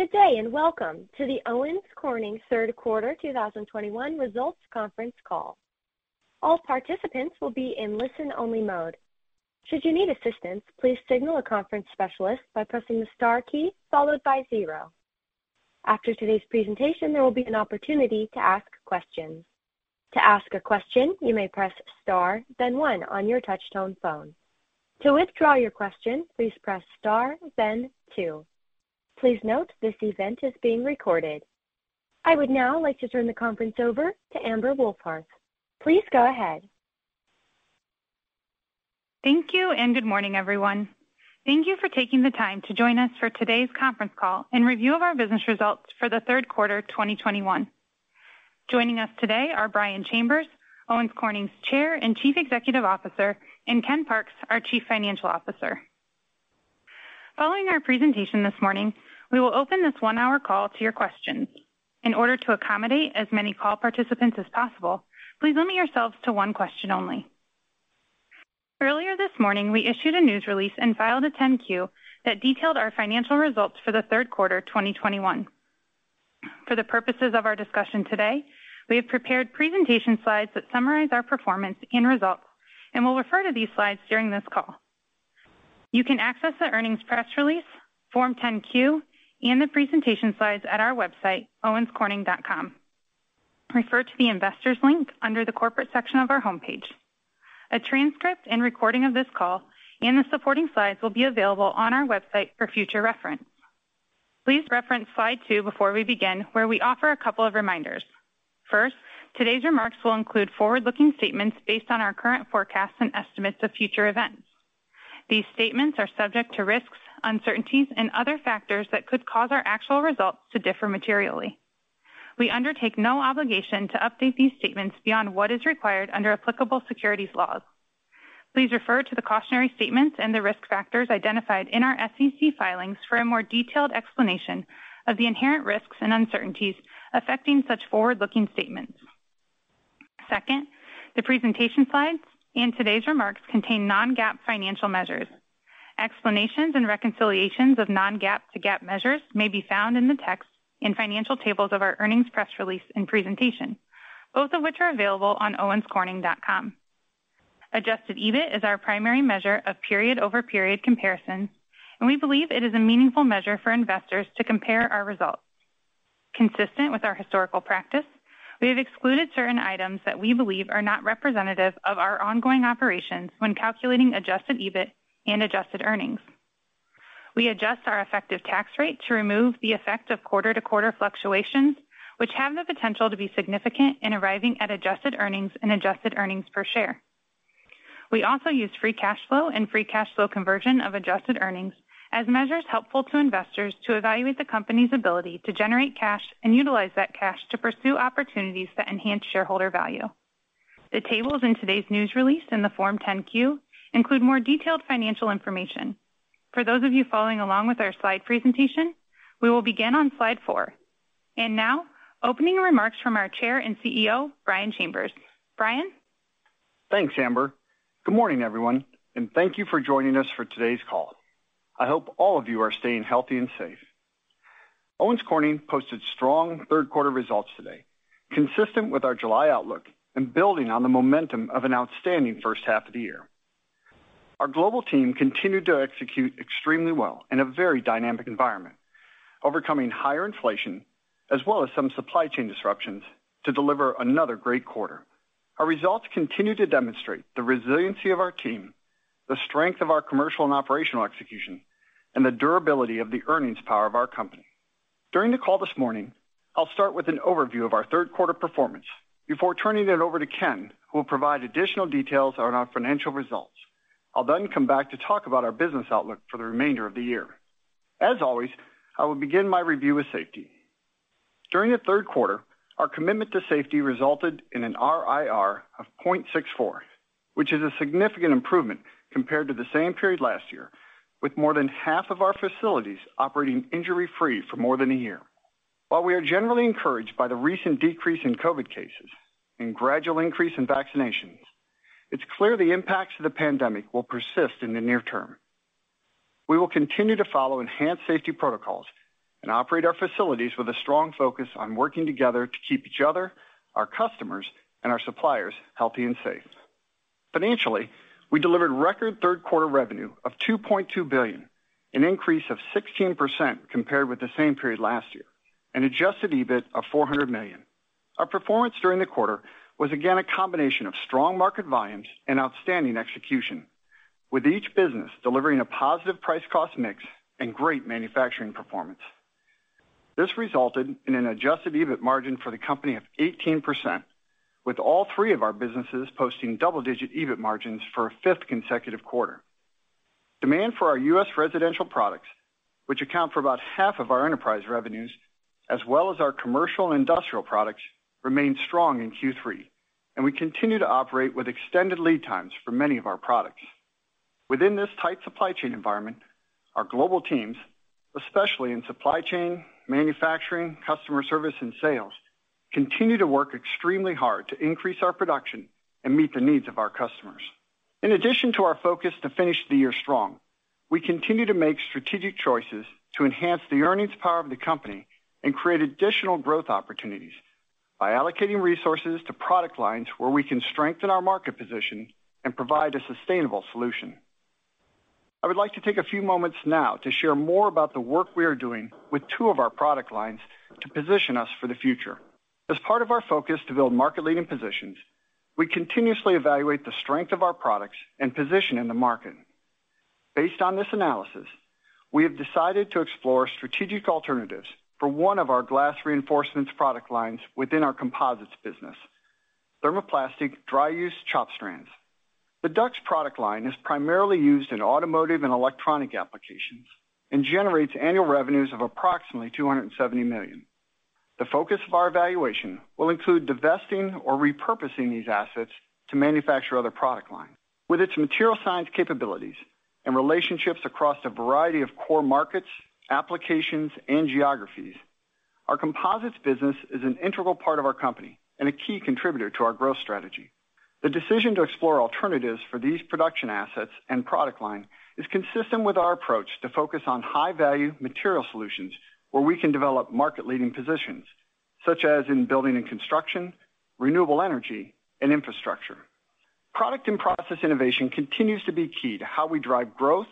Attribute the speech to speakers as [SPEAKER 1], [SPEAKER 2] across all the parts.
[SPEAKER 1] Good day, and welcome to the Owens Corning third quarter 2021 results conference call. All participants will be in listen-only mode. Should you need assistance, please signal a conference specialist by pressing the star key followed by zero. After today's presentation, there will be an opportunity to ask questions. To ask a question, you may press star, then one on your touchtone phone. To withdraw your question, please press star, then two. Please note this event is being recorded. I would now like to turn the conference over to Amber Wohlfarth. Please go ahead.
[SPEAKER 2] Thank you, and good morning, everyone. Thank you for taking the time to join us for today's conference call and review of our business results for the third quarter 2021. Joining us today are Brian Chambers, Owens Corning's Chair and Chief Executive Officer, and Ken Parks, our Chief Financial Officer. Following our presentation this morning, we will open this one-hour call to your questions. In order to accommodate as many call participants as possible, please limit yourselves to one question only. Earlier this morning, we issued a news release and filed a 10-Q that detailed our financial results for the third quarter 2021. For the purposes of our discussion today, we have prepared presentation slides that summarize our performance and results, and we'll refer to these slides during this call. You can access the earnings press release, Form 10-Q, and the presentation slides at our website, owenscorning.com. Refer to the Investors link under the Corporate section of our homepage. A transcript and recording of this call and the supporting slides will be available on our website for future reference. Please reference slide two before we begin, where we offer a couple of reminders. First, today's remarks will include forward-looking statements based on our current forecasts and estimates of future events. These statements are subject to risks, uncertainties, and other factors that could cause our actual results to differ materially. We undertake no obligation to update these statements beyond what is required under applicable securities laws. Please refer to the cautionary statements and the risk factors identified in our SEC filings for a more detailed explanation of the inherent risks and uncertainties affecting such forward-looking statements. Second, the presentation slides and today's remarks contain non-GAAP financial measures. Explanations and reconciliations of non-GAAP to GAAP measures may be found in the text in financial tables of our earnings press release and presentation, both of which are available on owenscorning.com. Adjusted EBIT is our primary measure of period-over-period comparison, and we believe it is a meaningful measure for investors to compare our results. Consistent with our historical practice, we have excluded certain items that we believe are not representative of our ongoing operations when calculating adjusted EBIT and adjusted earnings. We adjust our effective tax rate to remove the effect of quarter-to-quarter fluctuations, which have the potential to be significant in arriving at adjusted earnings and adjusted earnings per share. We also use free cash flow and free cash flow conversion of adjusted earnings as measures helpful to investors to evaluate the company's ability to generate cash and utilize that cash to pursue opportunities that enhance shareholder value. The tables in today's news release in the Form 10-Q include more detailed financial information. For those of you following along with our slide presentation, we will begin on slide four. Now, opening remarks from our Chair and Chief Executive Officer, Brian Chambers. Brian?
[SPEAKER 3] Thanks, Amber. Good morning, everyone, and thank you for joining us for today's call. I hope all of you are staying healthy and safe. Owens Corning posted strong third quarter results today, consistent with our July outlook and building on the momentum of an outstanding first half of the year. Our global team continued to execute extremely well in a very dynamic environment, overcoming higher inflation as well as some supply chain disruptions to deliver another great quarter. Our results continue to demonstrate the resiliency of our team, the strength of our commercial and operational execution, and the durability of the earnings power of our company. During the call this morning, I'll start with an overview of our third quarter performance before turning it over to Ken, who will provide additional details on our financial results. I'll then come back to talk about our business outlook for the remainder of the year. As always, I will begin my review with safety. During the third quarter, our commitment to safety resulted in an RIR of 0.64, which is a significant improvement compared to the same period last year, with more than half of our facilities operating injury-free for more than a year. While we are generally encouraged by the recent decrease in COVID cases and gradual increase in vaccinations, it's clear the impacts of the pandemic will persist in the near term. We will continue to follow enhanced safety protocols and operate our facilities with a strong focus on working together to keep each other, our customers, and our suppliers healthy and safe. Financially, we delivered record third quarter revenue of $2.2 billion, an increase of 16% compared with the same period last year, an adjusted EBIT of $400 million. Our performance during the quarter was again a combination of strong market volumes and outstanding execution, with each business delivering a positive price-cost mix and great manufacturing performance. This resulted in an adjusted EBIT margin for the company of 18%, with all three of our businesses posting double-digit EBIT margins for a fifth consecutive quarter. Demand for our U.S. residential products, which account for about half of our enterprise revenues, as well as our commercial and industrial products, remained strong in Q3, and we continue to operate with extended lead times for many of our products. Within this tight supply chain environment, our global teams, especially in supply chain, manufacturing, customer service, and sales, continue to work extremely hard to increase our production and meet the needs of our customers. In addition to our focus to finish the year strong, we continue to make strategic choices to enhance the earnings power of the company and create additional growth opportunities by allocating resources to product lines where we can strengthen our market position and provide a sustainable solution. I would like to take a few moments now to share more about the work we are doing with two of our product lines to position us for the future. As part of our focus to build market-leading positions, we continuously evaluate the strength of our products and position in the market. Based on this analysis, we have decided to explore strategic alternatives for one of our glass reinforcements product lines within our composites business, Thermoplastic Dry-Use Chop Strands. The DUCS product line is primarily used in automotive and electronic applications and generates annual revenues of approximately $270 million. The focus of our evaluation will include divesting or repurposing these assets to manufacture other product lines. With its material science capabilities and relationships across a variety of core markets, applications, and geographies, our composites business is an integral part of our company and a key contributor to our growth strategy. The decision to explore alternatives for these production assets and product line is consistent with our approach to focus on high-value material solutions where we can develop market-leading positions, such as in building and construction, renewable energy, and infrastructure. Product and process innovation continues to be key to how we drive growth,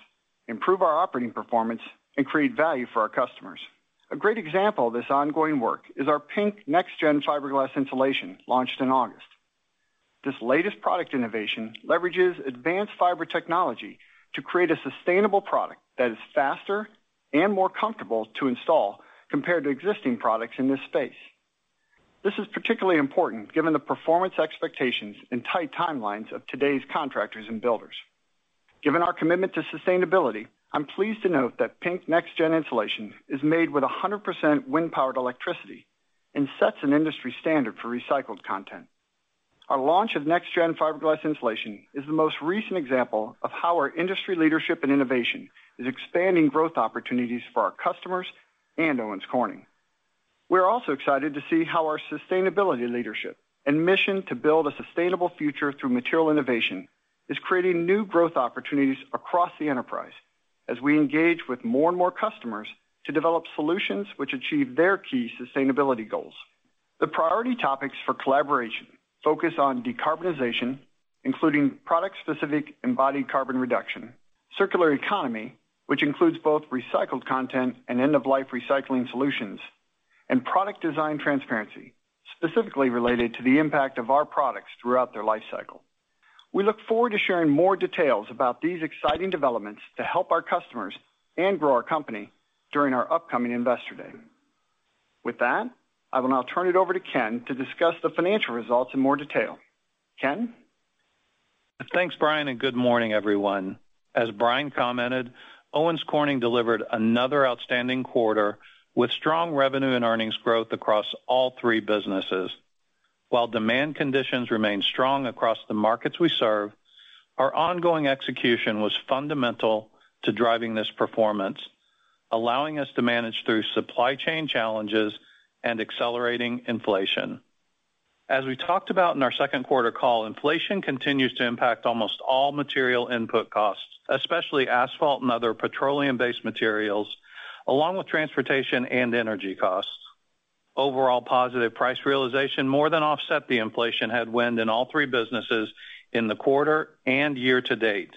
[SPEAKER 3] improve our operating performance, and create value for our customers. A great example of this ongoing work is our PINK Next Gen Fiberglas Insulation launched in August. This latest product innovation leverages advanced fiber technology to create a sustainable product that is faster and more comfortable to install compared to existing products in this space. This is particularly important given the performance expectations and tight timelines of today's contractors and builders. Given our commitment to sustainability, I'm pleased to note that PINK Next Gen Insulation is made with 100% wind-powered electricity and sets an industry standard for recycled content. Our launch of Next Gen Fiberglas Insulation is the most recent example of how our industry leadership and innovation is expanding growth opportunities for our customers and Owens Corning. We're also excited to see how our sustainability leadership and mission to build a sustainable future through material innovation is creating new growth opportunities across the enterprise as we engage with more and more customers to develop solutions which achieve their key sustainability goals. The priority topics for collaboration focus on decarbonization, including product-specific embodied carbon reduction, circular economy, which includes both recycled content and end-of-life recycling solutions, and product design transparency, specifically related to the impact of our products throughout their life cycle. We look forward to sharing more details about these exciting developments to help our customers and grow our company during our upcoming Investor Day. With that, I will now turn it over to Ken to discuss the financial results in more detail. Ken?
[SPEAKER 4] Thanks, Brian, and good morning, everyone. As Brian commented, Owens Corning delivered another outstanding quarter with strong revenue and earnings growth across all three businesses. While demand conditions remain strong across the markets we serve, our ongoing execution was fundamental to driving this performance, allowing us to manage through supply chain challenges and accelerating inflation. As we talked about in our second quarter call, inflation continues to impact almost all material input costs, especially asphalt and other petroleum-based materials, along with transportation and energy costs. Overall positive price realization more than offset the inflation headwind in all three businesses in the quarter and year to date.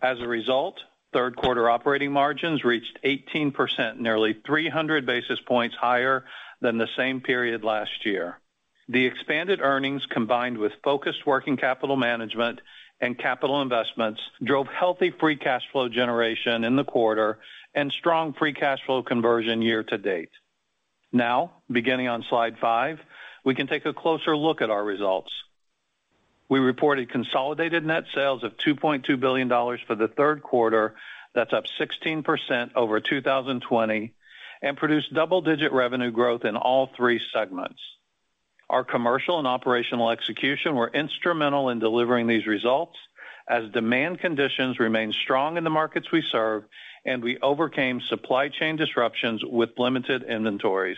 [SPEAKER 4] As a result, third quarter operating margins reached 18%, nearly 300 basis points higher than the same period last year. The expanded earnings, combined with focused working capital management and capital investments, drove healthy free cash flow generation in the quarter and strong free cash flow conversion year to date. Now, beginning on slide five, we can take a closer look at our results. We reported consolidated net sales of $2.2 billion for the third quarter, that's up 16% over 2020, and produced double-digit revenue growth in all three segments. Our commercial and operational execution were instrumental in delivering these results as demand conditions remained strong in the markets we serve, and we overcame supply chain disruptions with limited inventories.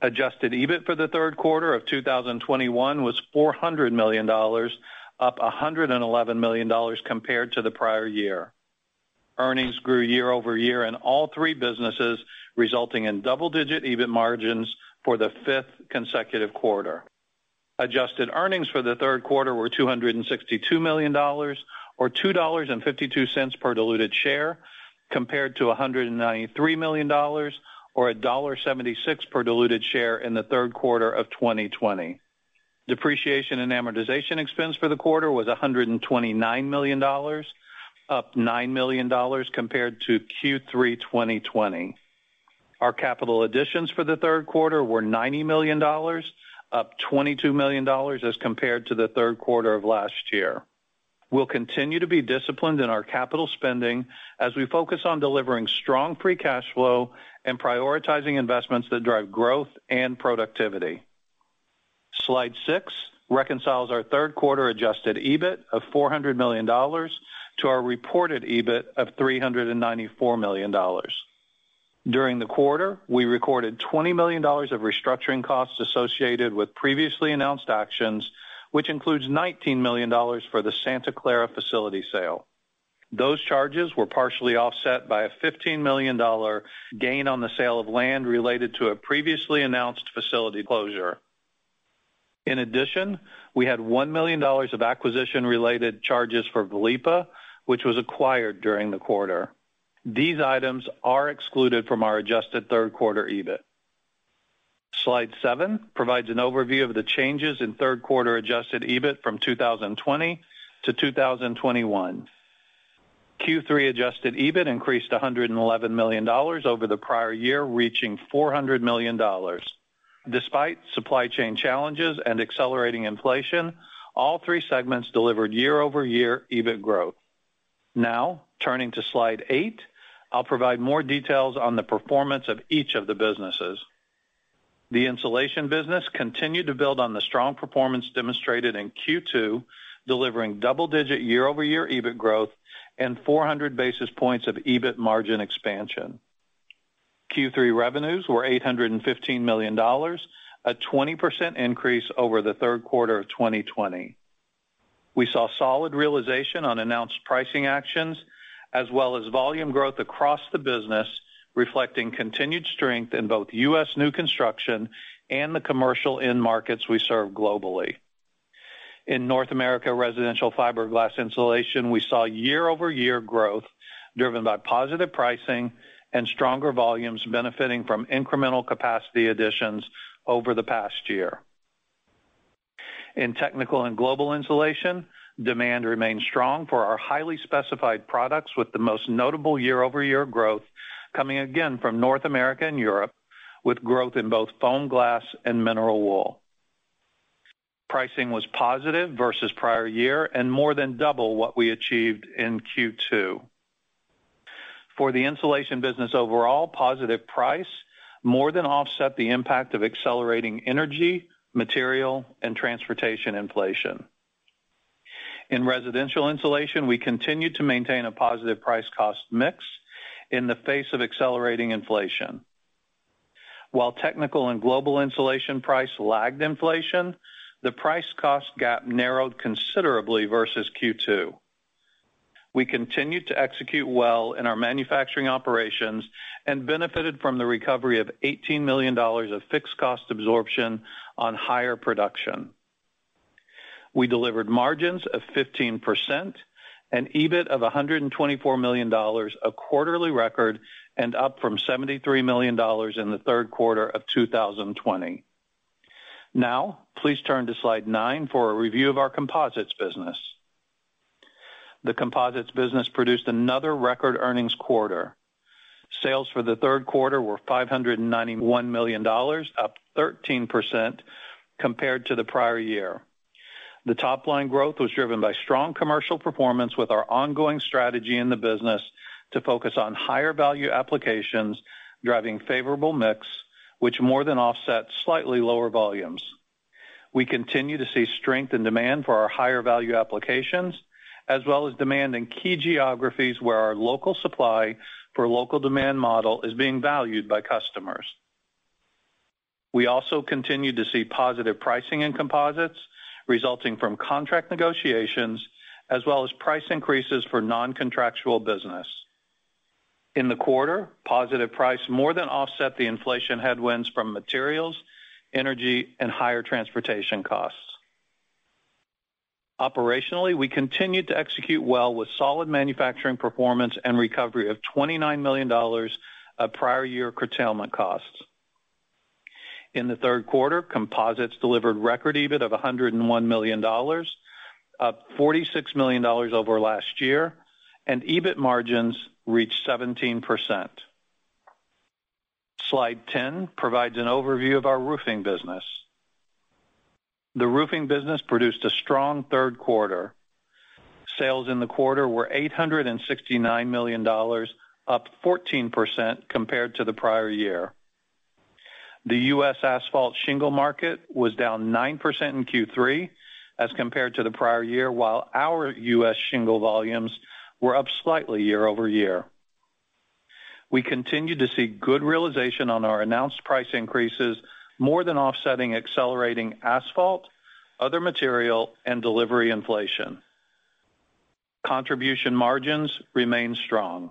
[SPEAKER 4] Adjusted EBIT for the third quarter of 2021 was $400 million, up $111 million compared to the prior year. Earnings grew year over year in all three businesses, resulting in double-digit EBIT margins for the fifth consecutive quarter. Adjusted earnings for the third quarter were $262 million or $2.52 per diluted share, compared to $193 million or $1.76 per diluted share in the third quarter of 2020. Depreciation and amortization expense for the quarter was $129 million, up $9 million compared to Q3 2020. Our capital additions for the third quarter were $90 million, up $22 million as compared to the third quarter of last year. We'll continue to be disciplined in our capital spending as we focus on delivering strong free cash flow and prioritizing investments that drive growth and productivity. Slide six reconciles our third quarter adjusted EBIT of $400 million to our reported EBIT of $394 million. During the quarter, we recorded $20 million of restructuring costs associated with previously announced actions, which includes $19 million for the Santa Clara facility sale. Those charges were partially offset by a $15 million gain on the sale of land related to a previously announced facility closure. In addition, we had $1 million of acquisition-related charges for Vliepa, which was acquired during the quarter. These items are excluded from our adjusted third quarter EBIT. Slide seven provides an overview of the changes in third quarter adjusted EBIT from 2020 to 2021. Q3 adjusted EBIT increased $111 million over the prior year, reaching $400 million. Despite supply chain challenges and accelerating inflation, all three segments delivered year-over-year EBIT growth. Now turning to slide eight, I'll provide more details on the performance of each of the businesses. The insulation business continued to build on the strong performance demonstrated in Q2, delivering double-digit year-over-year EBIT growth and 400 basis points of EBIT margin expansion. Q3 revenues were $815 million, a 20% increase over the third quarter of 2020. We saw solid realization on announced pricing actions as well as volume growth across the business, reflecting continued strength in both U.S. new construction and the commercial end markets we serve globally. In North America residential fiberglass insulation, we saw year-over-year growth driven by positive pricing and stronger volumes benefiting from incremental capacity additions over the past year. In technical and global insulation, demand remained strong for our highly specified products, with the most notable year-over-year growth coming again from North America and Europe, with growth in both FOAMGLAS and mineral wool. Pricing was positive versus prior year and more than double what we achieved in Q2. For the insulation business overall, positive price more than offset the impact of accelerating energy, material, and transportation inflation. In residential insulation, we continued to maintain a positive price-cost mix in the face of accelerating inflation. While technical and global insulation price lagged inflation, the price-cost gap narrowed considerably versus Q2. We continued to execute well in our manufacturing operations and benefited from the recovery of $18 million of fixed cost absorption on higher production. We delivered margins of 15% and EBIT of $124 million, a quarterly record, and up from $73 million in the third quarter of 2020. Now please turn to slide nine for a review of our composites business. The composites business produced another record earnings quarter. Sales for the third quarter were $591 million, up 13% compared to the prior year. The top line growth was driven by strong commercial performance with our ongoing strategy in the business to focus on higher value applications, driving favorable mix, which more than offset slightly lower volumes. We continue to see strength in demand for our higher value applications, as well as demand in key geographies where our local supply for local demand model is being valued by customers. We also continued to see positive pricing in composites resulting from contract negotiations as well as price increases for non-contractual business. In the quarter, positive price more than offset the inflation headwinds from materials, energy, and higher transportation costs. Operationally, we continued to execute well with solid manufacturing performance and recovery of $29 million of prior year curtailment costs. In the third quarter, composites delivered record EBIT of $101 million, up $46 million over last year, and EBIT margins reached 17%. Slide 10 provides an overview of our roofing business. The roofing business produced a strong third quarter. Sales in the quarter were $869 million, up 14% compared to the prior year. The U.S. asphalt shingle market was down 9% in Q3 as compared to the prior year, while our U.S. shingle volumes were up slightly year-over-year. We continued to see good realization on our announced price increases, more than offsetting accelerating asphalt, other material, and delivery inflation. Contribution margins remained strong.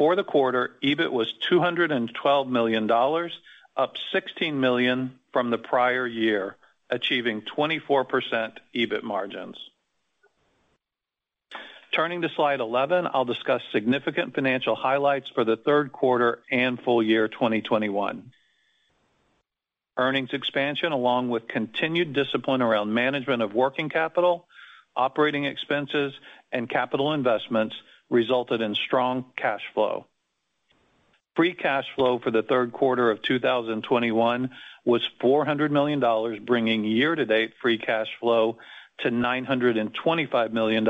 [SPEAKER 4] For the quarter, EBIT was $212 million, up $16 million from the prior year, achieving 24% EBIT margins. Turning to slide 11, I'll discuss significant financial highlights for the third quarter and full year 2021. Earnings expansion, along with continued discipline around management of working capital, operating expenses, and capital investments, resulted in strong cash flow. Free cash flow for the third quarter of 2021 was $400 million, bringing year-to-date free cash flow to $925 million,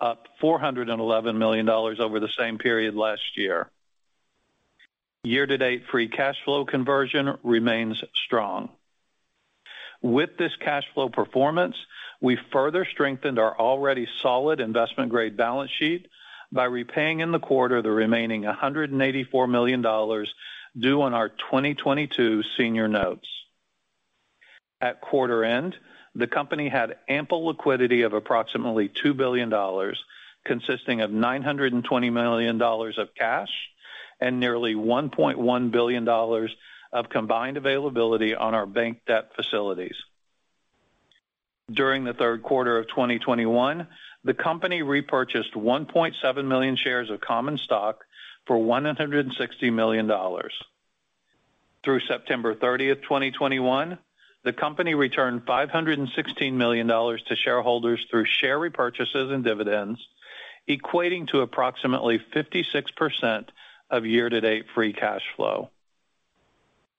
[SPEAKER 4] up $411 million over the same period last year. Year-to-date free cash flow conversion remains strong. With this cash flow performance, we further strengthened our already solid investment-grade balance sheet by repaying in the quarter the remaining $184 million due on our 2022 senior notes. At quarter end, the company had ample liquidity of approximately $2 billion, consisting of $920 million of cash and nearly $1.1 billion of combined availability on our bank debt facilities. During the third quarter of 2021, the company repurchased 1.7 million shares of common stock for $160 million. Through September 30, 2021, the company returned $516 million to shareholders through share repurchases and dividends, equating to approximately 56% of year-to-date free cash flow.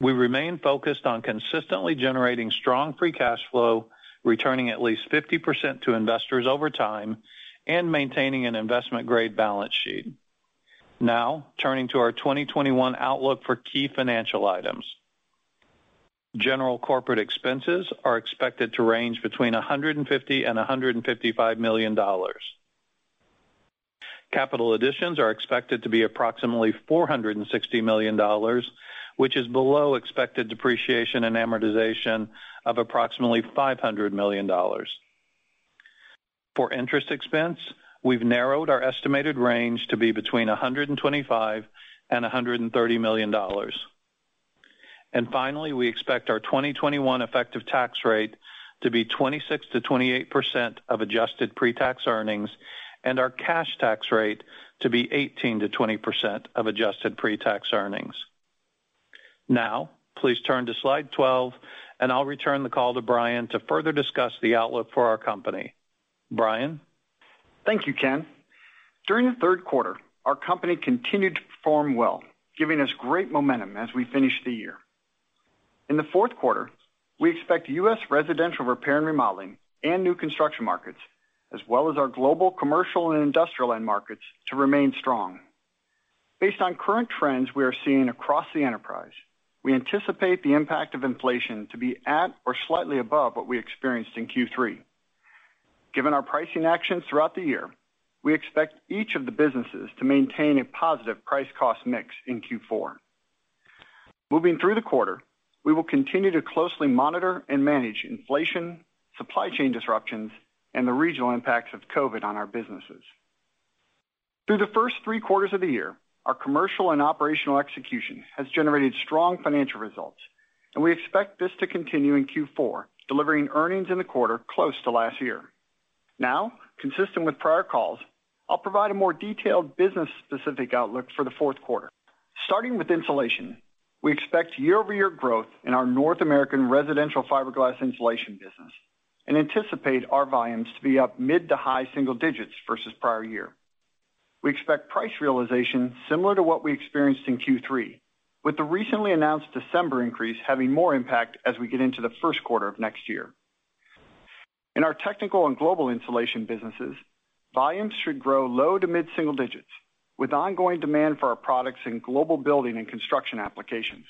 [SPEAKER 4] We remain focused on consistently generating strong free cash flow, returning at least 50% to investors over time, and maintaining an investment-grade balance sheet. Now, turning to our 2021 outlook for key financial items. General corporate expenses are expected to range between $150 million and $155 million. Capital additions are expected to be approximately $460 million, which is below expected depreciation and amortization of approximately $500 million. For interest expense, we've narrowed our estimated range to be between $125 million and $130 million. Finally, we expect our 2021 effective tax rate to be 26%-28% of adjusted pre-tax earnings, and our cash tax rate to be 18%-20% of adjusted pre-tax earnings. Now, please turn to slide 12, and I'll return the call to Brian to further discuss the outlook for our company. Brian?
[SPEAKER 3] Thank you, Ken. During the third quarter, our company continued to perform well, giving us great momentum as we finish the year. In the fourth quarter, we expect U.S. residential repair and remodeling and new construction markets, as well as our global commercial and industrial end markets, to remain strong. Based on current trends we are seeing across the enterprise, we anticipate the impact of inflation to be at or slightly above what we experienced in Q3. Given our pricing actions throughout the year, we expect each of the businesses to maintain a positive price cost mix in Q4. Moving through the quarter, we will continue to closely monitor and manage inflation, supply chain disruptions, and the regional impacts of COVID on our businesses. Through the first three quarters of the year, our commercial and operational execution has generated strong financial results, and we expect this to continue in Q4, delivering earnings in the quarter close to last year. Now, consistent with prior calls, I'll provide a more detailed business-specific outlook for the fourth quarter. Starting with insulation, we expect year-over-year growth in our North American residential fiberglass insulation business and anticipate our volumes to be up mid to high single digits versus prior year. We expect price realization similar to what we experienced in Q3, with the recently announced December increase having more impact as we get into the first quarter of next year. In our technical and global insulation businesses, volumes should grow low to mid-single digits, with ongoing demand for our products in global building and construction applications.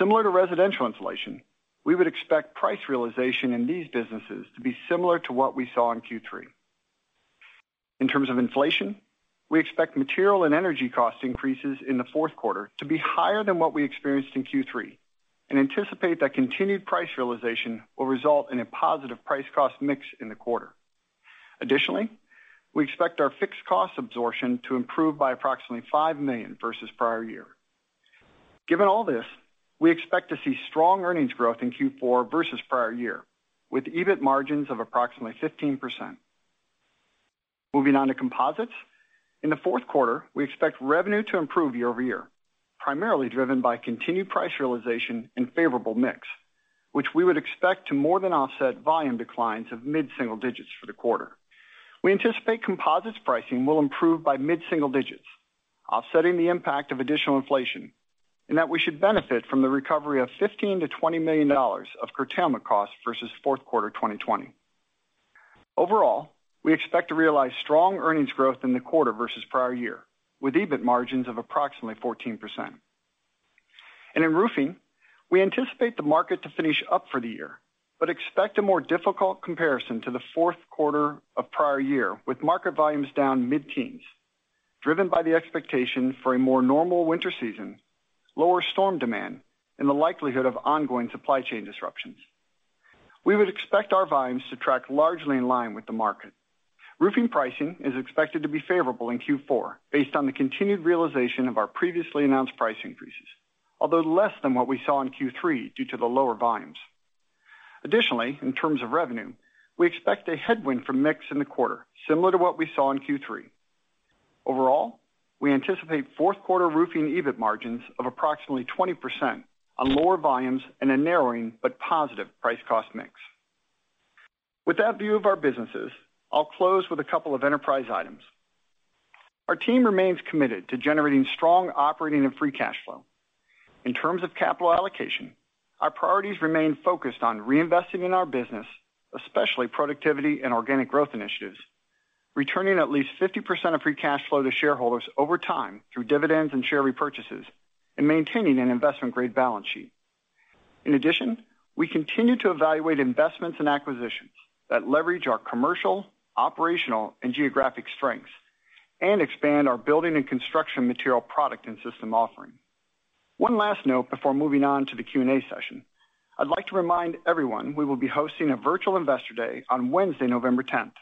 [SPEAKER 3] Similar to residential insulation, we would expect price realization in these businesses to be similar to what we saw in Q3. In terms of inflation, we expect material and energy cost increases in the fourth quarter to be higher than what we experienced in Q3 and anticipate that continued price realization will result in a positive price cost mix in the quarter. Additionally, we expect our fixed cost absorption to improve by approximately $5 million versus prior year. Given all this, we expect to see strong earnings growth in Q4 versus prior year, with EBIT margins of approximately 15%. Moving on to composites. In the fourth quarter, we expect revenue to improve year-over-year, primarily driven by continued price realization and favorable mix, which we would expect to more than offset volume declines of mid-single digits for the quarter. We anticipate composites pricing will improve by mid-single digits, offsetting the impact of additional inflation, and that we should benefit from the recovery of $15 million-$20 million of curtailment costs versus fourth quarter 2020. Overall, we expect to realize strong earnings growth in the quarter versus prior year, with EBIT margins of approximately 14%. In roofing, we anticipate the market to finish up for the year, but expect a more difficult comparison to the fourth quarter of prior year, with market volumes down mid-teens, driven by the expectation for a more normal winter season, lower storm demand, and the likelihood of ongoing supply chain disruptions. We would expect our volumes to track largely in line with the market. Roofing pricing is expected to be favorable in Q4 based on the continued realization of our previously announced price increases, although less than what we saw in Q3 due to the lower volumes. Additionally, in terms of revenue, we expect a headwind from mix in the quarter similar to what we saw in Q3. Overall, we anticipate fourth quarter roofing EBIT margins of approximately 20% on lower volumes and a narrowing but positive price cost mix. With that view of our businesses, I'll close with a couple of enterprise items. Our team remains committed to generating strong operating and free cash flow. In terms of capital allocation, our priorities remain focused on reinvesting in our business, especially productivity and organic growth initiatives. Returning at least 50% of free cash flow to shareholders over time through dividends and share repurchases and maintaining an investment-grade balance sheet. In addition, we continue to evaluate investments and acquisitions that leverage our commercial, operational and geographic strengths and expand our building and construction material product and system offering. One last note before moving on to the Q&A session. I'd like to remind everyone we will be hosting a virtual Investor Day on Wednesday, November 10.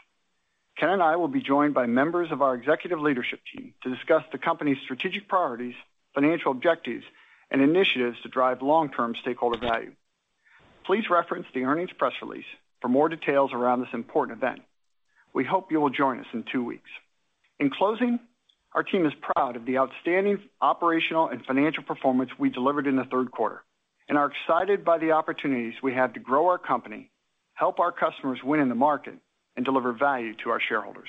[SPEAKER 3] Ken and I will be joined by members of our executive leadership team to discuss the company's strategic priorities, financial objectives, and initiatives to drive long-term stakeholder value. Please reference the earnings press release for more details around this important event. We hope you will join us in two weeks. In closing, our team is proud of the outstanding operational and financial performance we delivered in the third quarter and are excited by the opportunities we have to grow our company, help our customers win in the market, and deliver value to our shareholders.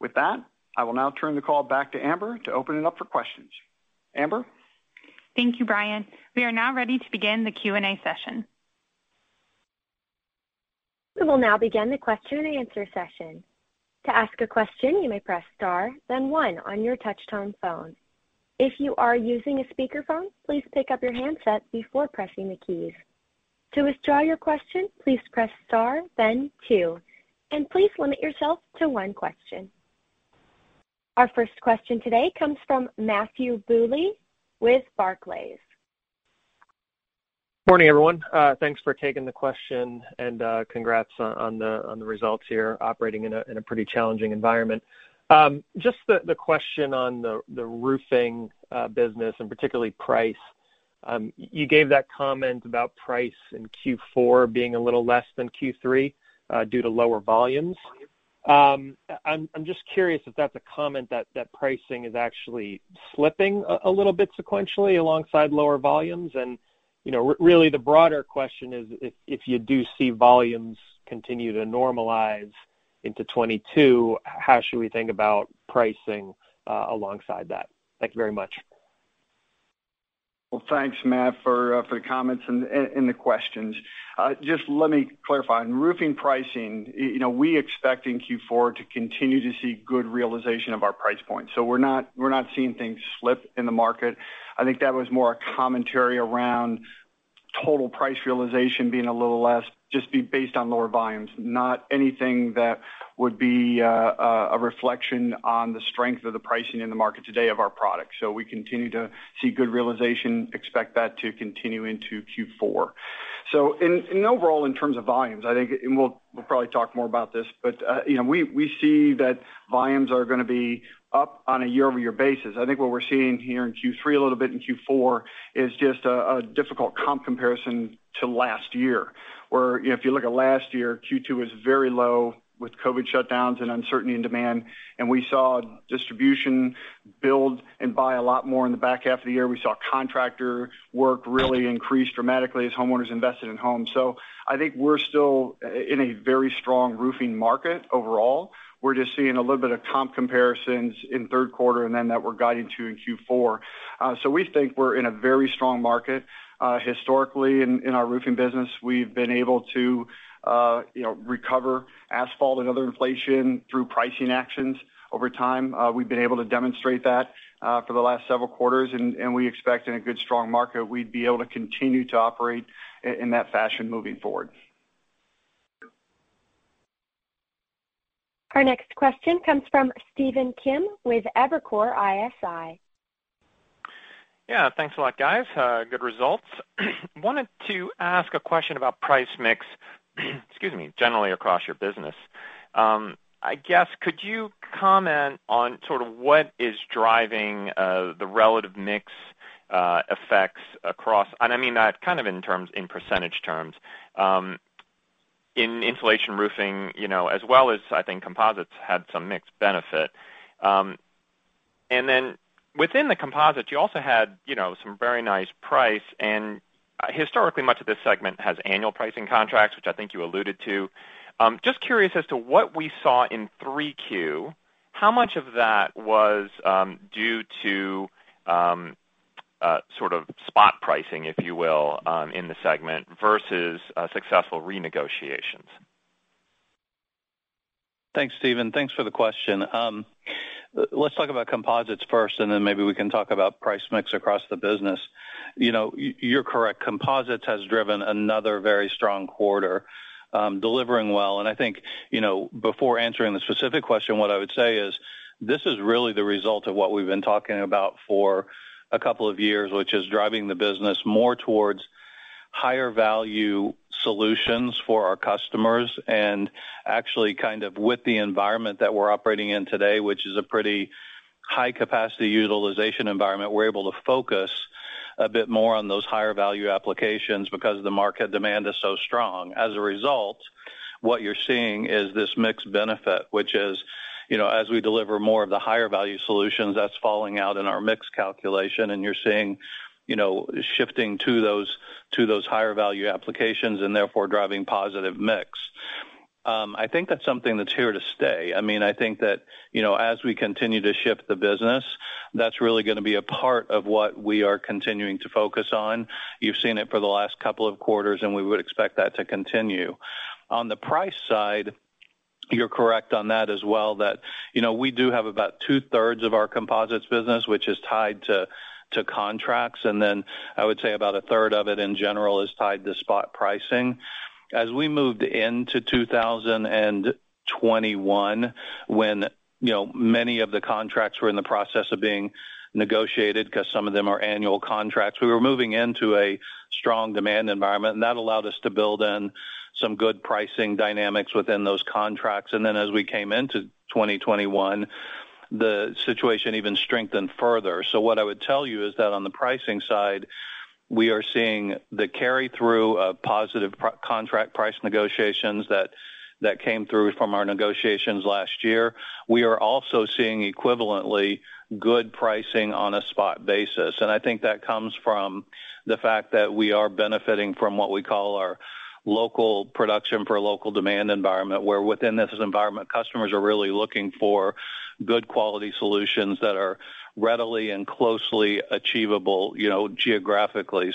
[SPEAKER 3] With that, I will now turn the call back to Amber to open it up for questions. Amber?
[SPEAKER 2] Thank you, Brian. We are now ready to begin the Q&A session.
[SPEAKER 1] We will now begin the question and answer session. To ask a question, you may press star, then one on your touch-tone phone. If you are using a speakerphone, please pick up your handset before pressing the keys. To withdraw your question, please press star, then two, and please limit yourself to one question. Our first question today comes from Matthew Bouley with Barclays.
[SPEAKER 5] Morning, everyone. Thanks for taking the question and congrats on the results here, operating in a pretty challenging environment. Just the question on the roofing business and particularly price. You gave that comment about price in Q4 being a little less than Q3 due to lower volumes. I'm just curious if that's a comment that pricing is actually slipping a little bit sequentially alongside lower volumes. You know, really the broader question is if you do see volumes continue to normalize into 2022, how should we think about pricing alongside that? Thank you very much.
[SPEAKER 3] Thanks, Matt, for the comments and the questions. Just let me clarify. On roofing pricing, you know, we expect in Q4 to continue to see good realization of our price point. We're not seeing things slip in the market. I think that was more a commentary around total price realization being a little less, just based on lower volumes, not anything that would be a reflection on the strength of the pricing in the market today of our product. We continue to see good realization, expect that to continue into Q4. In overall, in terms of volumes, I think, and we'll probably talk more about this, but you know, we see that volumes are gonna be up on a year-over-year basis. I think what we're seeing here in Q3, a little bit in Q4 is just a difficult comp comparison to last year, where, you know, if you look at last year, Q2 was very low with COVID shutdowns and uncertainty in demand, and we saw distributors build and buy a lot more in the back half of the year. We saw contractor work really increase dramatically as homeowners invested in homes. I think we're still in a very strong roofing market overall. We're just seeing a little bit of comp comparisons in third quarter and then that we're guiding to in Q4. We think we're in a very strong market. Historically in our roofing business, we've been able to, you know, recover asphalt and other inflation through pricing actions over time. We've been able to demonstrate that, for the last several quarters, and we expect in a good, strong market, we'd be able to continue to operate in that fashion moving forward.
[SPEAKER 1] Our next question comes from Stephen Kim with Evercore ISI.
[SPEAKER 6] Yeah. Thanks a lot, guys. Good results. Wanted to ask a question about price mix, excuse me, generally across your business. I guess could you comment on sort of what is driving the relative mix effects across. I mean that kind of in terms, in percentage terms, in insulation roofing, you know, as well as I think composites had some mixed benefit. And then within the composites, you also had, you know, some very nice price and historically much of this segment has annual pricing contracts, which I think you alluded to. Just curious as to what we saw in Q3, how much of that was due to sort of spot pricing, if you will, in the segment versus successful renegotiations?
[SPEAKER 4] Thanks, Stephen. Thanks for the question. Let's talk about Composites first, and then maybe we can talk about price mix across the business. You know, you're correct. Composites has driven another very strong quarter, delivering well. I think, you know, before answering the specific question, what I would say is this is really the result of what we've been talking about for a couple of years, which is driving the business more towards higher value solutions for our customers. Actually kind of with the environment that we're operating in today, which is a pretty high capacity utilization environment, we're able to focus a bit more on those higher value applications because the market demand is so strong. As a result, what you're seeing is this mix benefit, which is, you know, as we deliver more of the higher value solutions, that's falling out in our mix calculation and you're seeing, you know, shifting to those higher value applications and therefore driving positive mix. I think that's something that's here to stay. I mean, I think that, you know, as we continue to shift the business That's really gonna be a part of what we are continuing to focus on. You've seen it for the last couple of quarters, and we would expect that to continue. On te`he price side, you're correct on that as well, that you know, we do have about 2/3 of our composites business which is tied to contracts, and then I would say about 1/3 of it in general is tied to spot pricing. As we moved into 2021 when, you know, many of the contracts were in the process of being negotiated 'cause some of them are annual contracts, we were moving into a strong demand environment, and that allowed us to build in some good pricing dynamics within those contracts. As we came into 2021, the situation even strengthened further. What I would tell you is that on the pricing side, we are seeing the carry-through of positive contract price negotiations that came through from our negotiations last year. We are also seeing equivalently good pricing on a spot basis. I think that comes from the fact that we are benefiting from what we call our local production for a local demand environment, where within this environment, customers are really looking for good quality solutions that are readily and closely achievable, you know, geographically.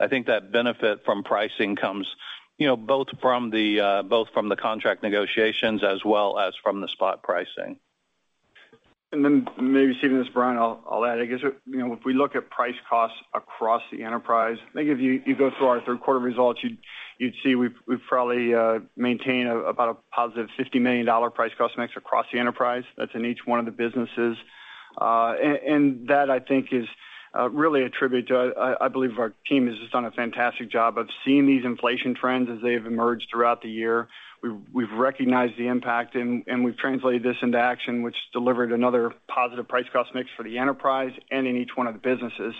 [SPEAKER 4] I think that benefit from pricing comes, you know, both from the contract negotiations as well as from the spot pricing.
[SPEAKER 3] Maybe Stephen, as Brian, I'll add, I guess, you know, if we look at price costs across the enterprise, I think if you go through our third quarter results, you'd see we've probably maintained about a positive $50 million price cost mix across the enterprise. That's in each one of the businesses. And that I think is really a tribute to, I believe our team has just done a fantastic job of seeing these inflation trends as they've emerged throughout the year. We've recognized the impact and we've translated this into action, which delivered another positive price cost mix for the enterprise and in each one of the businesses.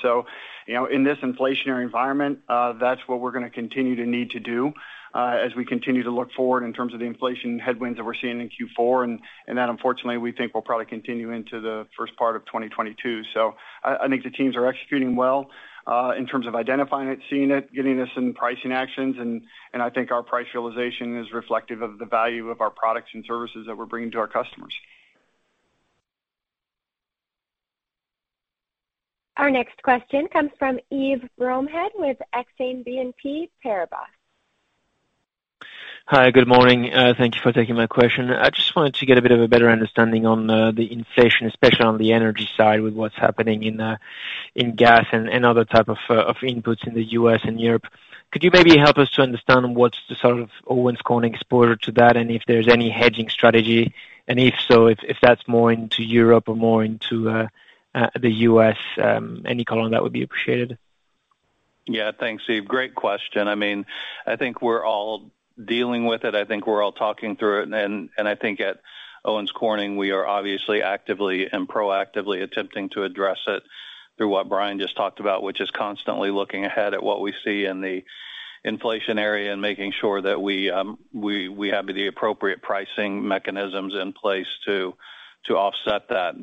[SPEAKER 3] You know, in this inflationary environment, that's what we're gonna continue to need to do, as we continue to look forward in terms of the inflation headwinds that we're seeing in Q4, and that unfortunately, we think will probably continue into the first part of 2022. I think the teams are executing well, in terms of identifying it, seeing it, getting this in pricing actions, and I think our price realization is reflective of the value of our products and services that we're bringing to our customers.
[SPEAKER 1] Our next question comes from Yves Bromehead with Exane BNP Paribas.
[SPEAKER 7] Hi, good morning. Thank you for taking my question. I just wanted to get a bit of a better understanding on the inflation, especially on the energy side with what's happening in gas and other type of inputs in the U.S. and Europe. Could you maybe help us to understand what's the sort of Owens Corning exposure to that, and if there's any hedging strategy, and if so, if that's more into Europe or more into the U.S., any color on that would be appreciated.
[SPEAKER 4] Yeah. Thanks, Yves. Great question. I mean, I think we're all dealing with it. I think we're all talking through it. I think at Owens Corning, we are obviously actively and proactively attempting to address it through what Brian just talked about, which is constantly looking ahead at what we see in the inflation area and making sure that we have the appropriate pricing mechanisms in place to offset that.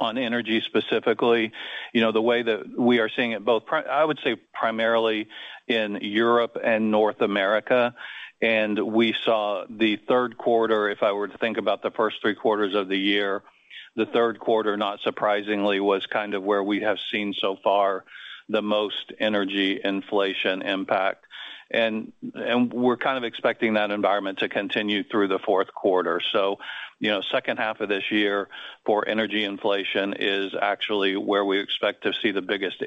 [SPEAKER 4] On energy specifically, you know, the way that we are seeing it both primarily in Europe and North America, and we saw the third quarter. If I were to think about the first three quarters of the year, the third quarter, not surprisingly, was kind of where we have seen so far the most energy inflation impact. We're kind of expecting that environment to continue through the fourth quarter. You know, second half of this year for energy inflation is actually where we expect to see the biggest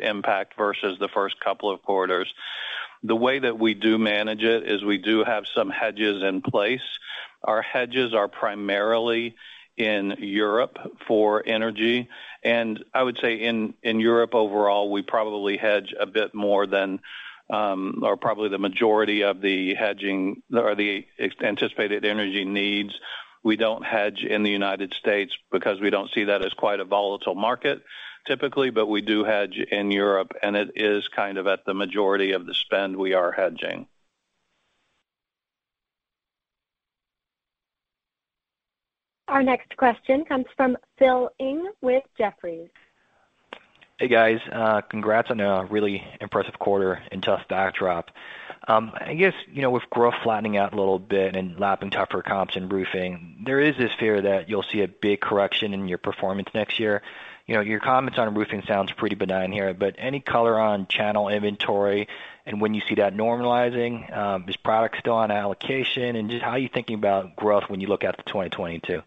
[SPEAKER 4] impact versus the first couple of quarters. The way that we do manage it is we do have some hedges in place. Our hedges are primarily in Europe for energy. I would say in Europe overall, we probably hedge a bit more than or probably the majority of the hedging or the anticipated energy needs. We don't hedge in the United States because we don't see that as quite a volatile market typically, but we do hedge in Europe, and it is kind of at the majority of the spend we are hedging.
[SPEAKER 1] Our next question comes from Phil Ng with Jefferies.
[SPEAKER 8] Hey, guys. Congrats on a really impressive quarter and tough backdrop. I guess, you know, with growth flattening out a little bit and lapping tougher comps in roofing, there is this fear that you'll see a big correction in your performance next year. You know, your comments on roofing sounds pretty benign here, but any color on channel inventory and when you see that normalizing, is product still on allocation, and just how are you thinking about growth when you look out to 2022?
[SPEAKER 3] Yeah.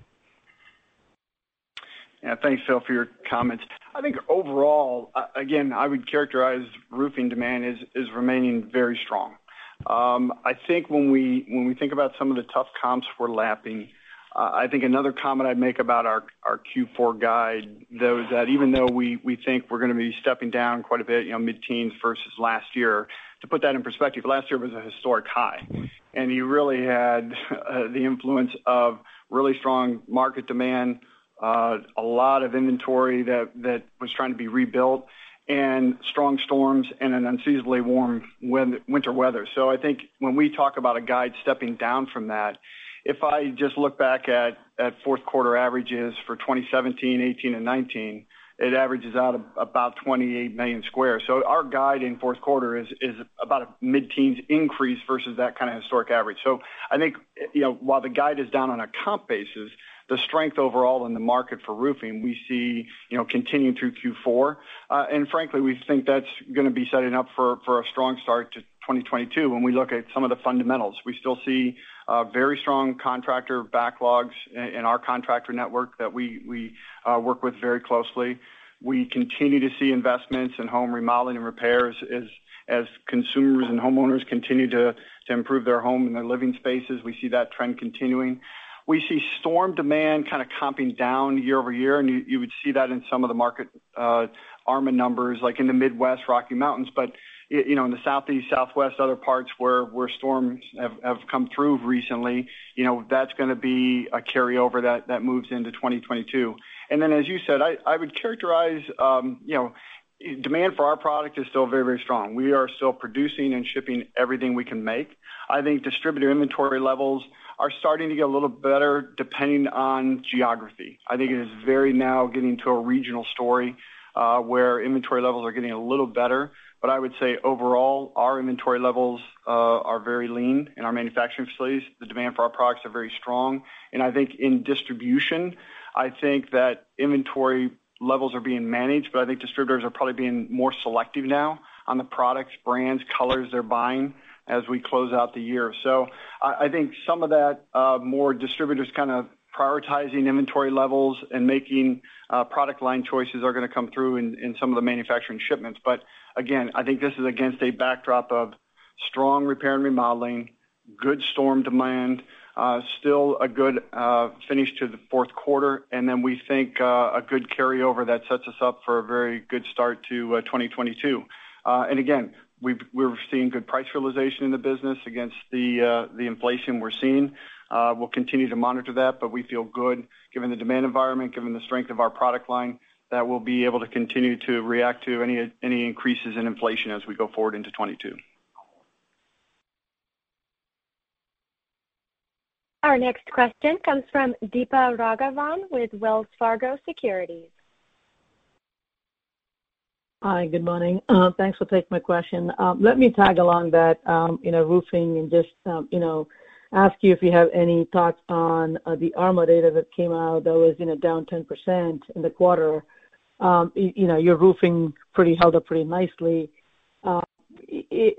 [SPEAKER 3] Thanks, Phil, for your comments. I think overall, again, I would characterize roofing demand is remaining very strong. I think when we think about some of the tough comps we're lapping, I think another comment I'd make about our Q4 guide, though, is that even though we think we're gonna be stepping down quite a bit, you know, mid-teens versus last year, to put that in perspective, last year was a historic high. You really had the influence of really strong market demand, a lot of inventory that was trying to be rebuilt and strong storms and an unseasonably warm winter weather. I think when we talk about a guide stepping down from that, if I just look back at fourth quarter averages for 2017, 2018 and 2019, it averages out about 28 million square. Our guide in fourth quarter is about a mid-teens increase versus that kind of historic average. I think, you know, while the guide is down on a comp basis, the strength overall in the market for roofing, we see, you know, continuing through Q4. And frankly, we think that's gonna be setting up for a strong start to 2022 when we look at some of the fundamentals. We still see very strong contractor backlogs in our contractor network that we work with very closely. We continue to see investments in home remodeling and repairs as consumers and homeowners continue to improve their home and their living spaces. We see that trend continuing. We see storm demand kind of coming down year over year, and you would see that in some of the market ARMA numbers, like in the Midwest, Rocky Mountains. You know, in the Southeast, Southwest, other parts where storms have come through recently, you know, that's gonna be a carryover that moves into 2022. Then, as you said, I would characterize you know, demand for our product is still very, very strong. We are still producing and shipping everything we can make. I think distributor inventory levels are starting to get a little better depending on geography. I think it is very now getting to a regional story, where inventory levels are getting a little better. I would say overall, our inventory levels are very lean in our manufacturing facilities. The demand for our products are very strong. I think in distribution that inventory levels are being managed, but I think distributors are probably being more selective now on the products, brands, colors they're buying as we close out the year. I think some of that more distributors kind of prioritizing inventory levels and making product line choices are gonna come through in some of the manufacturing shipments. I think this is against a backdrop of strong repair and remodeling, good storm demand, still a good finish to the fourth quarter, and then we think a good carryover that sets us up for a very good start to 2022. We're seeing good price realization in the business against the inflation we're seeing. We'll continue to monitor that, but we feel good given the demand environment, given the strength of our product line, that we'll be able to continue to react to any increases in inflation as we go forward into 2022.
[SPEAKER 1] Our next question comes from Deepa Raghavan with Wells Fargo Securities.
[SPEAKER 9] Hi, good morning. Thanks for taking my question. Let me tag along that, you know, roofing and just, you know, ask you if you have any thoughts on the ARMA data that came out that was, you know, down 10% in the quarter. You know, your roofing held up pretty nicely.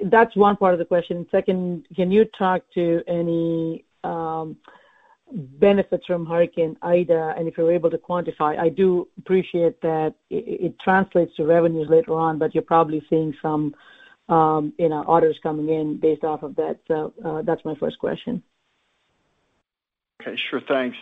[SPEAKER 9] That's one part of the question. Second, can you talk to any benefits from Hurricane Ida, and if you were able to quantify? I do appreciate that it translates to revenues later on, but you're probably seeing some, you know, orders coming in based off of that. That's my first question.
[SPEAKER 3] Okay, sure. Thanks.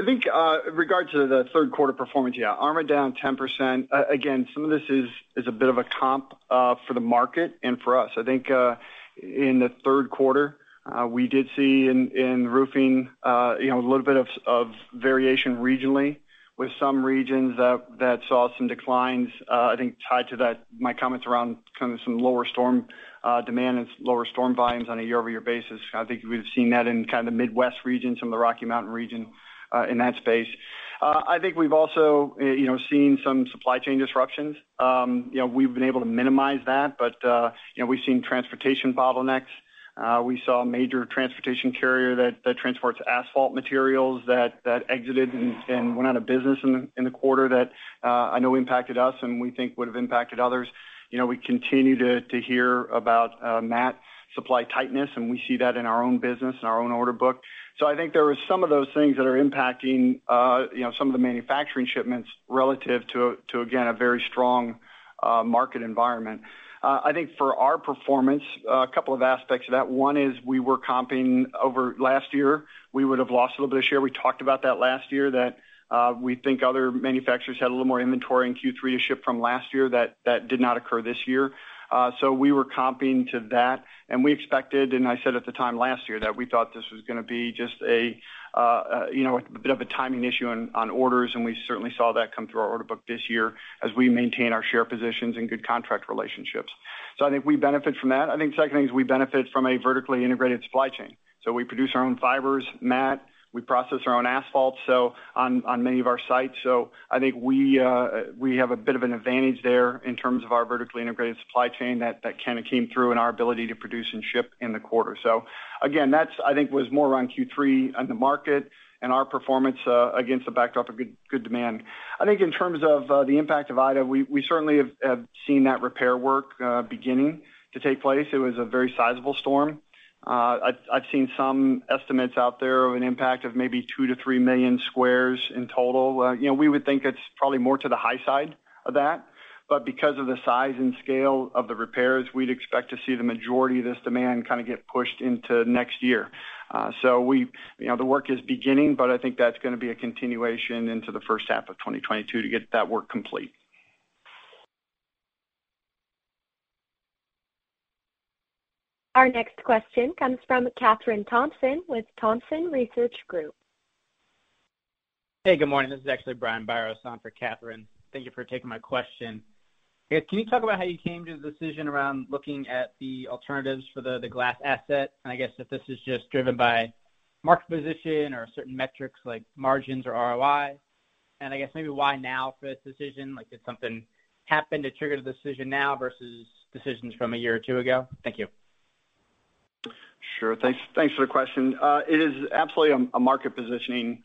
[SPEAKER 3] I think in regard to the third quarter performance, yeah, ARMA down 10%. Again, some of this is a bit of a comp for the market and for us. I think in the third quarter we did see in roofing you know a little bit of variation regionally with some regions that saw some declines I think tied to that my comments around kind of some lower storm demand and lower storm volumes on a year-over-year basis. I think we've seen that in kind of the Midwest region, some of the Rocky Mountain region in that space. I think we've also you know seen some supply chain disruptions. You know we've been able to minimize that, but you know we've seen transportation bottlenecks. We saw a major transportation carrier that transports asphalt materials that exited and went out of business in the quarter that I know impacted us and we think would have impacted others. You know, we continue to hear about mat supply tightness, and we see that in our own business and our own order book. I think there are some of those things that are impacting, you know, some of the manufacturing shipments relative to, again, a very strong market environment. I think for our performance, a couple of aspects of that. One is we were comping over last year. We would have lost a little bit of share. We talked about that last year, that we think other manufacturers had a little more inventory in Q3 to ship from last year that did not occur this year. We were comping to that. We expected, and I said at the time last year, that we thought this was gonna be just a you know, a bit of a timing issue on orders, and we certainly saw that come through our order book this year as we maintain our share positions and good contract relationships. I think we benefit from that. I think second thing is we benefit from a vertically integrated supply chain. We produce our own fibers, mat, we process our own asphalt, so on many of our sites. I think we have a bit of an advantage there in terms of our vertically integrated supply chain that kind of came through in our ability to produce and ship in the quarter. Again, that's, I think, was more around Q3 on the market and our performance against the backdrop of good demand. I think in terms of the impact of Ida, we certainly have seen that repair work beginning to take place. It was a very sizable storm. I've seen some estimates out there of an impact of maybe 2-3 million squares in total. You know, we would think it's probably more to the high side of that, but because of the size and scale of the repairs, we'd expect to see the majority of this demand kind of get pushed into next year. You know, the work is beginning, but I think that's gonna be a continuation into the first half of 2022 to get that work complete.
[SPEAKER 1] Our next question comes from Kathryn Thompson with Thompson Research Group.
[SPEAKER 10] Hey, good morning. This is actually Brian Biros on for Kathryn. Thank you for taking my question. Can you talk about how you came to the decision around looking at the alternatives for the glass asset? I guess if this is just driven by market position or certain metrics like margins or ROI. I guess maybe why now for this decision? Like, did something happen to trigger the decision now versus decisions from a year or two ago? Thank you.
[SPEAKER 3] Sure. Thanks for the question. It is absolutely a market positioning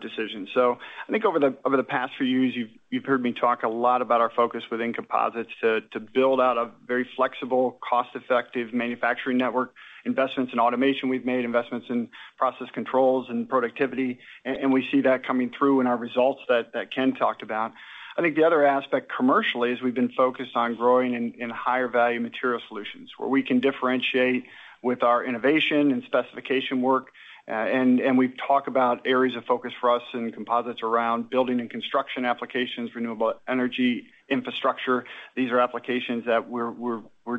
[SPEAKER 3] decision. I think over the past few years, you've heard me talk a lot about our focus within composites to build out a very flexible, cost-effective manufacturing network, investments in automation we've made, investments in process controls and productivity, and we see that coming through in our results that Ken talked about. I think the other aspect commercially is we've been focused on growing in higher value material solutions where we can differentiate with our innovation and specification work. And we've talked about areas of focus for us in composites around building and construction applications, renewable energy infrastructure. These are applications that we're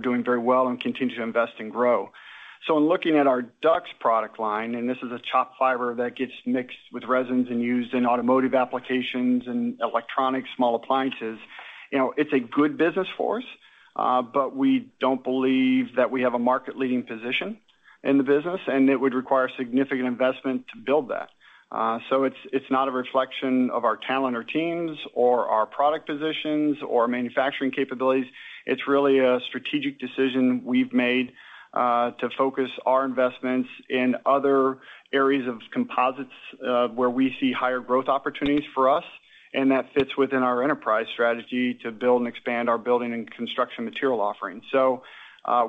[SPEAKER 3] doing very well and continue to invest and grow. In looking at our DUCS product line, and this is a chopped fiber that gets mixed with resins and used in automotive applications and electronic small appliances, you know, it's a good business for us, but we don't believe that we have a market leading position in the business, and it would require significant investment to build that. It's not a reflection of our talent or teams or our product positions or manufacturing capabilities. It's really a strategic decision we've made to focus our investments in other areas of composites, where we see higher growth opportunities for us, and that fits within our enterprise strategy to build and expand our building and construction material offerings.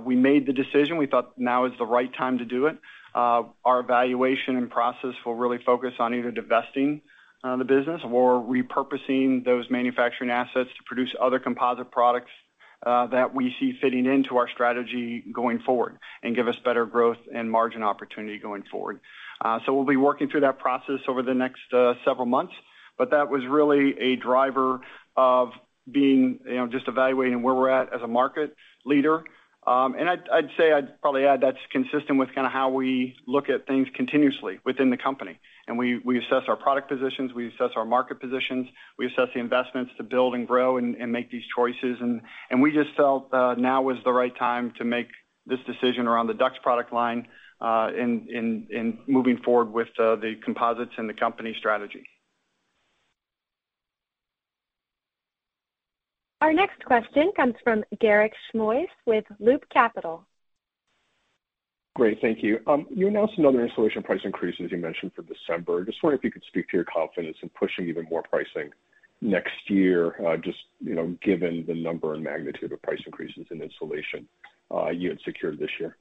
[SPEAKER 3] We made the decision. We thought now is the right time to do it. Our evaluation and process will really focus on either divesting the business or repurposing those manufacturing assets to produce other composite products that we see fitting into our strategy going forward and give us better growth and margin opportunity going forward. So we'll be working through that process over the next several months. That was really a driver of being, you know, just evaluating where we're at as a market leader. I'd say I'd probably add that's consistent with kinda how we look at things continuously within the company. We assess our product positions, we assess our market positions, we assess the investments to build and grow and make these choices. We just felt now was the right time to make this decision around the DUCS product line, in moving forward with the composites and the company strategy.
[SPEAKER 1] Our next question comes from Garik Shmois with Loop Capital.
[SPEAKER 11] Great. Thank you. You announced another insulation price increase, as you mentioned, for December. Just wondering if you could speak to your confidence in pushing even more pricing next year, just, you know, given the number and magnitude of price increases in insulation, you had secured this year.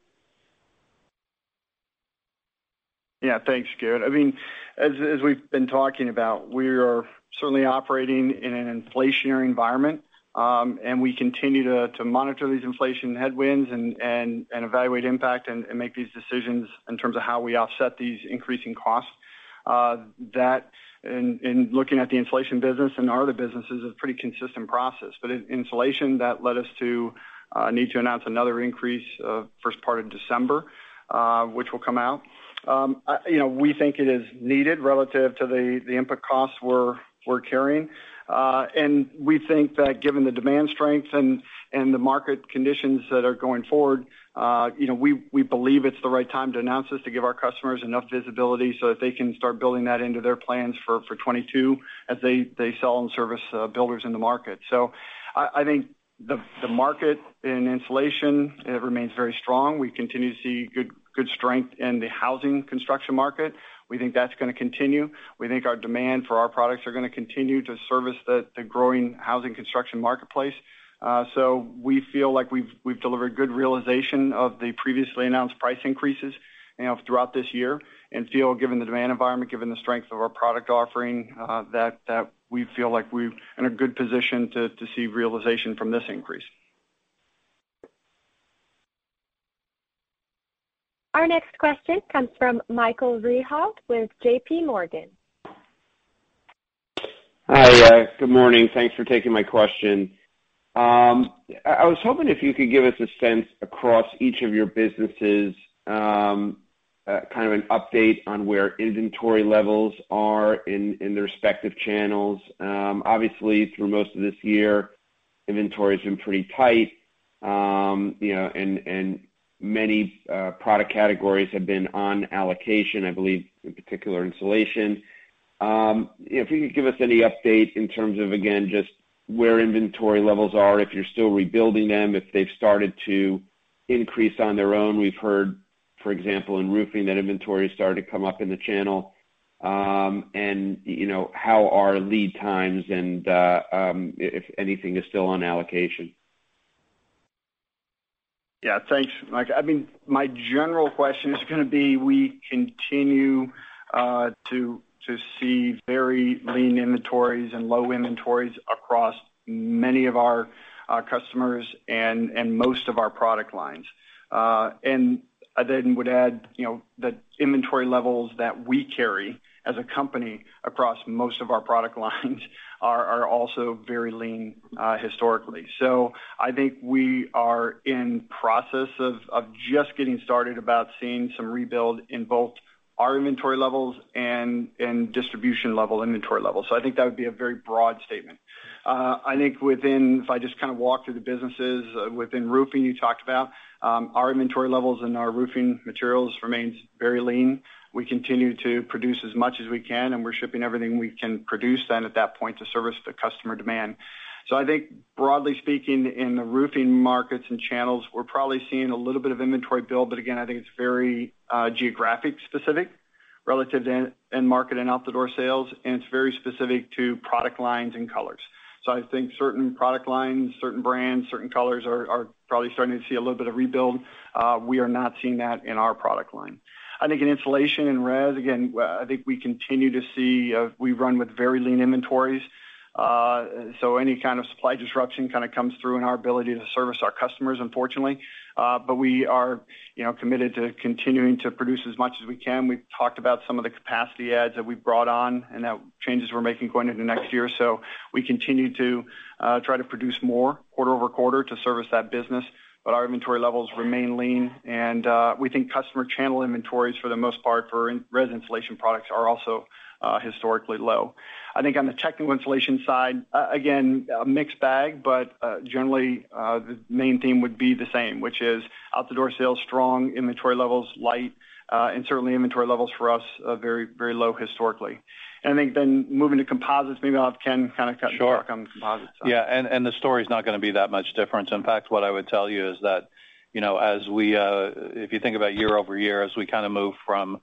[SPEAKER 3] Yeah. Thanks, Garik. I mean, as we've been talking about, we are certainly operating in an inflationary environment, and we continue to monitor these inflation headwinds and evaluate impact and make these decisions in terms of how we offset these increasing costs. That in looking at the insulation business and our other businesses is a pretty consistent process. In insulation, that led us to need to announce another increase first part of December, which will come out. You know, we think it is needed relative to the input costs we're carrying. We think that given the demand strength and the market conditions that are going forward, you know, we believe it's the right time to announce this to give our customers enough visibility so that they can start building that into their plans for 2022 as they sell and service builders in the market. I think the market in insulation remains very strong. We continue to see good strength in the housing construction market. We think that's gonna continue. We think our demand for our products are gonna continue to service the growing housing construction marketplace. We feel like we've delivered good realization of the previously announced price increases, you know, throughout this year, and feel, given the demand environment, given the strength of our product offering, that we feel like we're in a good position to see realization from this increase.
[SPEAKER 1] Our next question comes from Michael Rehaut with JPMorgan.
[SPEAKER 12] Hi, good morning. Thanks for taking my question. I was hoping if you could give us a sense across each of your businesses, kind of an update on where inventory levels are in their respective channels. Obviously, through most of this year, inventory has been pretty tight, you know, and many product categories have been on allocation, I believe in particular insulation. If you could give us any update in terms of, again, just where inventory levels are, if you're still rebuilding them, if they've started to increase on their own. We've heard, for example, in roofing, that inventory has started to come up in the channel. You know, how are lead times and if anything is still on allocation?
[SPEAKER 3] Yeah. Thanks, Mike. I mean, my general question is gonna be we continue to see very lean inventories and low inventories across many of our customers and most of our product lines. I then would add, you know, the inventory levels that we carry as a company across most of our product lines are also very lean historically. I think we are in process of just getting started about seeing some rebuild in both our inventory levels and in distribution level inventory levels. I think that would be a very broad statement. I think within, if I just kind of walk through the businesses, within roofing you talked about, our inventory levels and our roofing materials remains very lean. We continue to produce as much as we can, and we're shipping everything we can produce then at that point to service the customer demand. I think broadly speaking, in the roofing markets and channels, we're probably seeing a little bit of inventory build, but again, I think it's very geographic specific relative to end market and out the door sales, and it's very specific to product lines and colors. I think certain product lines, certain brands, certain colors are probably starting to see a little bit of rebuild. We are not seeing that in our product line. I think in insulation and res, again, I think we run with very lean inventories. So any kind of supply disruption kinda comes through in our ability to service our customers, unfortunately. We are, you know, committed to continuing to produce as much as we can. We've talked about some of the capacity adds that we've brought on and that changes we're making going into next year. We continue to try to produce more quarter-over-quarter to service that business. Our inventory levels remain lean, and we think customer channel inventories for the most part for res insulation products are also historically low. I think on the technical insulation side, again a mixed bag, but generally the main theme would be the same, which is out the door sales strong, inventory levels light, and certainly inventory levels for us are very, very low historically. I think then moving to composites, maybe I'll have Ken kind of cut in here.
[SPEAKER 4] Sure.
[SPEAKER 3] On the composites side.
[SPEAKER 4] Yeah, the story's not gonna be that much different. In fact, what I would tell you is that, you know, as we if you think about year-over-year, as we kinda move from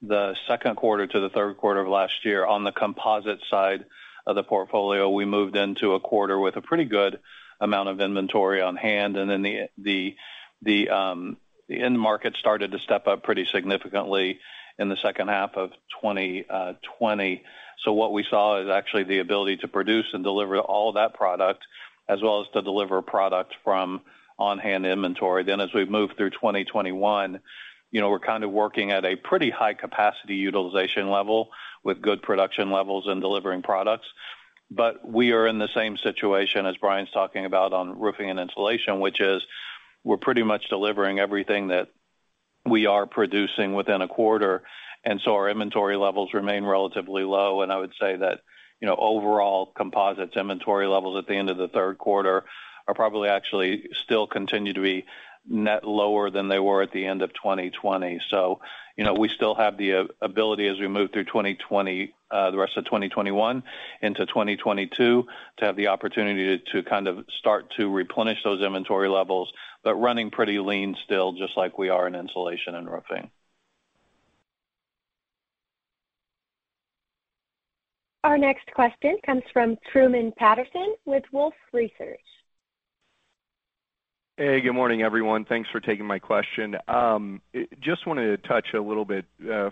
[SPEAKER 4] the second quarter to the third quarter of last year on the composite side of the portfolio, we moved into a quarter with a pretty good amount of inventory on hand, and then the end market started to step up pretty significantly in the second half of 2020. What we saw is actually the ability to produce and deliver all of that product as well as to deliver product from on-hand inventory. As we've moved through 2021, you know, we're kind of working at a pretty high capacity utilization level with good production levels in delivering products. We are in the same situation as Brian's talking about on roofing and insulation, which is we're pretty much delivering everything that we are producing within a quarter. Our inventory levels remain relatively low. I would say that, you know, overall composites inventory levels at the end of the third quarter are probably actually still continue to be net lower than they were at the end of 2020. You know, we still have the ability as we move through 2020, the rest of 2021 into 2022, to have the opportunity to kind of start to replenish those inventory levels, but running pretty lean still just like we are in insulation and roofing.
[SPEAKER 1] Our next question comes from Truman Patterson with Wolfe Research.
[SPEAKER 13] Hey, good morning, everyone. Thanks for taking my question. Just wanna touch a little bit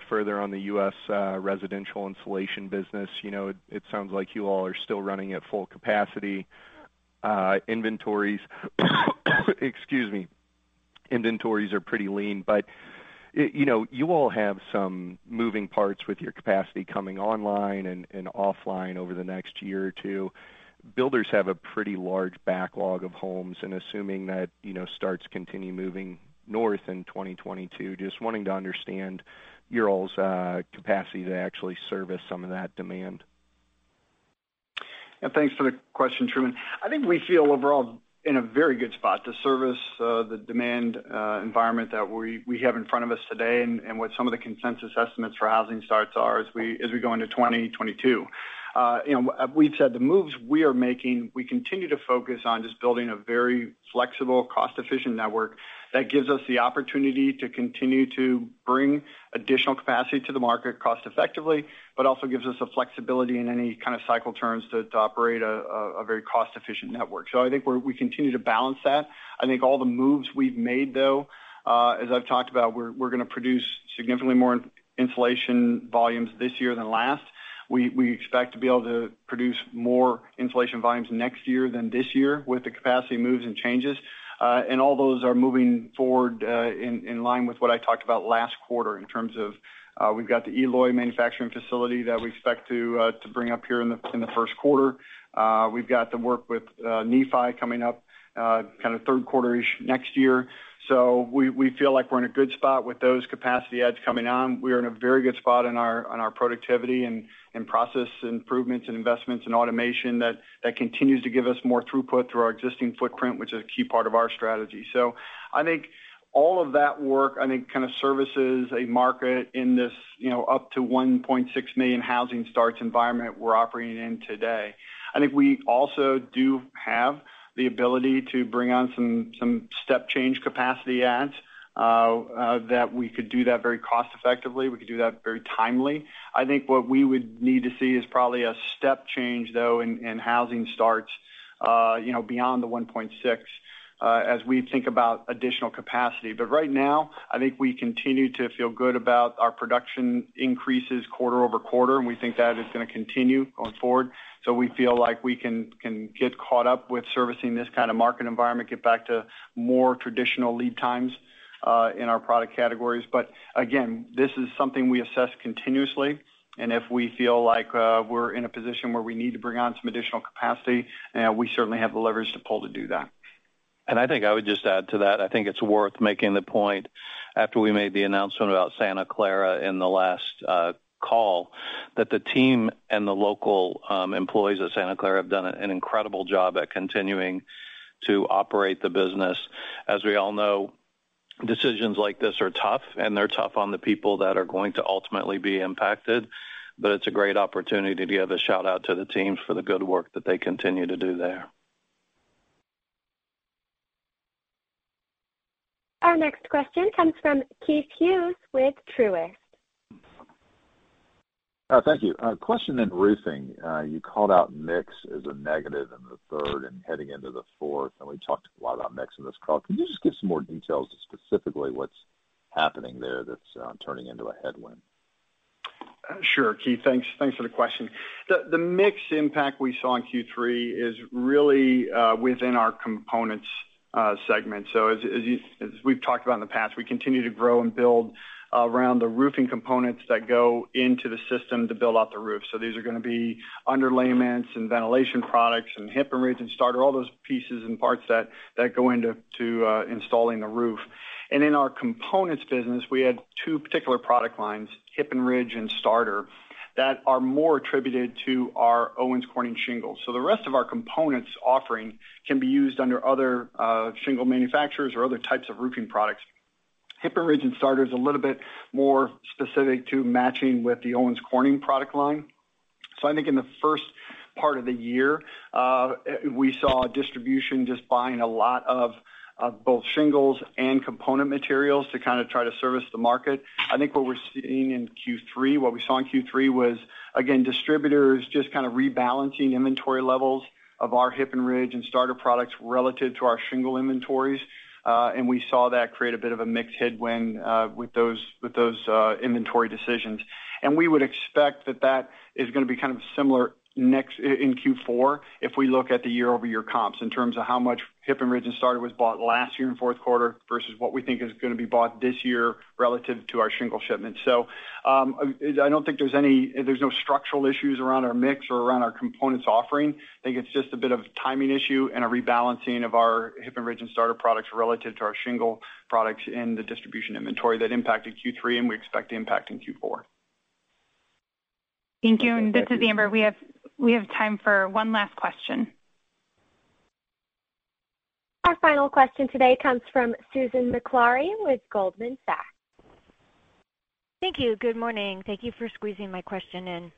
[SPEAKER 13] further on the U.S. residential insulation business. You know, it sounds like you all are still running at full capacity. Inventories are pretty lean, but you know, you all have some moving parts with your capacity coming online and offline over the next year or two. Builders have a pretty large backlog of homes, and assuming that, you know, starts continue moving north in 2022, just wanting to understand your all's capacity to actually service some of that demand.
[SPEAKER 3] Yeah, thanks for the question, Truman. I think we feel overall in a very good spot to service the demand environment that we have in front of us today and what some of the consensus estimates for housing starts are as we go into 2022. You know, we've said the moves we are making. We continue to focus on just building a very flexible, cost-efficient network that gives us the opportunity to continue to bring additional capacity to the market cost effectively, but also gives us the flexibility in any kind of cycle turns to operate a very cost-efficient network. I think we continue to balance that. I think all the moves we've made, though, as I've talked about, we're gonna produce significantly more insulation volumes this year than last. We expect to be able to produce more insulation volumes next year than this year with the capacity moves and changes. All those are moving forward in line with what I talked about last quarter in terms of we've got the Eloy manufacturing facility that we expect to bring up here in the first quarter. We've got the work with Nephi coming up kind of third quarter-ish next year. We feel like we're in a good spot with those capacity adds coming on. We are in a very good spot on our productivity and process improvements and investments in automation that continues to give us more throughput through our existing footprint, which is a key part of our strategy. I think all of that work, I think, kind of services a market in this, you know, up to 1.6 million housing starts environment we're operating in today. I think we also do have the ability to bring on some step change capacity adds that we could do that very cost effectively. We could do that very timely. I think what we would need to see is probably a step change, though, in housing starts, you know, beyond the 1.6, as we think about additional capacity. I think we continue to feel good about our production increases quarter-over-quarter, and we think that is gonna continue going forward. We feel like we can get caught up with servicing this kind of market environment, get back to more traditional lead times in our product categories. Again, this is something we assess continuously. If we feel like we're in a position where we need to bring on some additional capacity, we certainly have the leverage to pull to do that.
[SPEAKER 4] I think I would just add to that, I think it's worth making the point after we made the announcement about Santa Clara in the last call, that the team and the local employees at Santa Clara have done an incredible job at continuing to operate the business. As we all know, decisions like this are tough, and they're tough on the people that are going to ultimately be impacted. It's a great opportunity to give a shout-out to the teams for the good work that they continue to do there.
[SPEAKER 1] Our next question comes from Keith Hughes with Truist.
[SPEAKER 14] Thank you. A question in roofing. You called out mix as a negative in the third and heading into the fourth, and we talked a lot about mix in this call. Can you just give some more details to specifically what's happening there that's turning into a headwind?
[SPEAKER 3] Sure, Keith. Thanks for the question. The mix impact we saw in Q3 is really within our components segment. As we've talked about in the past, we continue to grow and build around the roofing components that go into the system to build out the roof. These are gonna be underlayments and ventilation products and Hip & Ridge and Starter, all those pieces and parts that go into installing the roof. In our components business, we had two particular product lines, Hip & Ridge and Starter, that are more attributed to our Owens Corning shingles. The rest of our components offering can be used under other shingle manufacturers or other types of roofing products. Hip & Ridge and Starter is a little bit more specific to matching with the Owens Corning product line. I think in the first part of the year, we saw distribution just buying a lot of both shingles and component materials to kinda try to service the market. I think what we saw in Q3 was, again, distributors just kinda rebalancing inventory levels of our Hip & Ridge and Starter products relative to our shingle inventories. We saw that create a bit of a mixed headwind with those inventory decisions. We would expect that is gonna be kind of similar next in Q4 if we look at the year-over-year comps in terms of how much Hip & Ridge and Starter was bought last year in fourth quarter versus what we think is gonna be bought this year relative to our shingle shipments. I don't think there's any structural issues around our mix or around our composites offering. I think it's just a bit of timing issue and a rebalancing of our Hip & Ridge and Starter products relative to our shingle products in the distribution inventory that impacted Q3 and we expect to impact in Q4.
[SPEAKER 2] Thank you. This is Amber. We have time for one last question.
[SPEAKER 1] Our final question today comes from Susan Maklari with Goldman Sachs.
[SPEAKER 15] Thank you. Good morning. Thank you for squeezing my question in.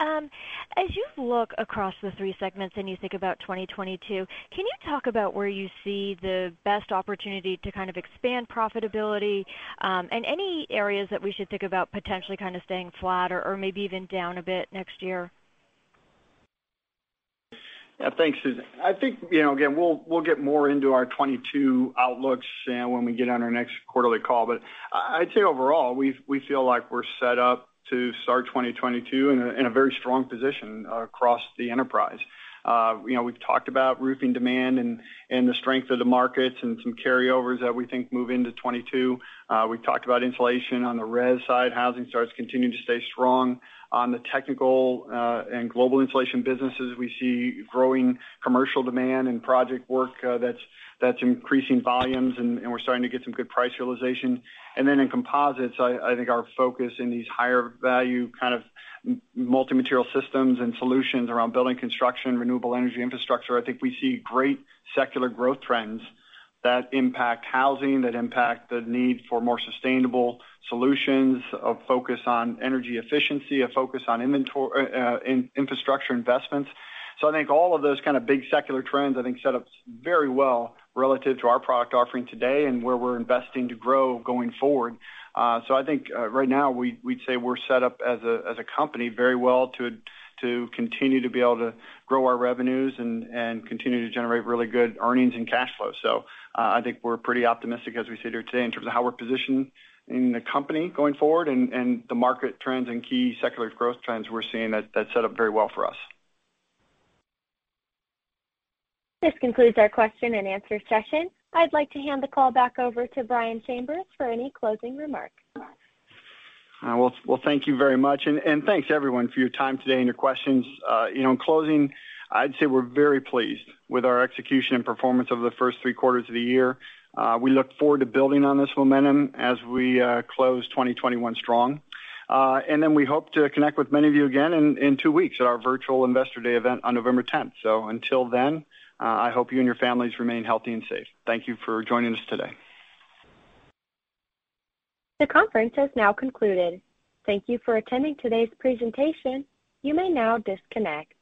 [SPEAKER 15] As you look across the three segments and you think about 2022, can you talk about where you see the best opportunity to kind of expand profitability, and any areas that we should think about potentially kind of staying flat or maybe even down a bit next year?
[SPEAKER 3] Yeah. Thanks, Susan. I think, you know, again, we'll get more into our 2022 outlooks when we get on our next quarterly call. I'd say overall, we feel like we're set up to start 2022 in a very strong position across the enterprise. You know, we've talked about roofing demand and the strength of the markets and some carryovers that we think move into 2022. We've talked about insulation on the res side. Housing starts continuing to stay strong. On the technical and global insulation businesses, we see growing commercial demand and project work that's increasing volumes, and we're starting to get some good price realization. Then in composites, I think our focus in these higher value kind of multi-material systems and solutions around building construction, renewable energy infrastructure, I think we see great secular growth trends that impact housing, that impact the need for more sustainable solutions, a focus on energy efficiency, a focus on infrastructure investments. I think all of those kind of big secular trends set up very well relative to our product offering today and where we're investing to grow going forward. Right now, we'd say we're set up as a company very well to continue to be able to grow our revenues and continue to generate really good earnings and cash flow. I think we're pretty optimistic as we sit here today in terms of how we're positioned in the company going forward and the market trends and key secular growth trends we're seeing that set up very well for us.
[SPEAKER 1] This concludes our question and answer session. I'd like to hand the call back over to Brian Chambers for any closing remarks.
[SPEAKER 3] Well, thank you very much, and thanks, everyone, for your time today and your questions. You know, in closing, I'd say we're very pleased with our execution and performance over the first three quarters of the year. We look forward to building on this momentum as we close 2021 strong. And then we hope to connect with many of you again in two weeks at our virtual Investor Day event on November 10th. Until then, I hope you and your families remain healthy and safe. Thank you for joining us today.
[SPEAKER 1] The conference has now concluded. Thank you for attending today's presentation. You may now disconnect.